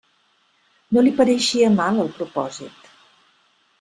No li pareixia mal el propòsit.